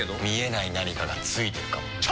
見えない何かがついてるかも。